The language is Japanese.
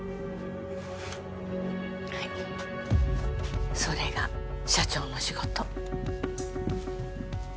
はいそれが社長の仕事